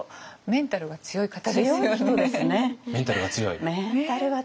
メンタルは強いですね。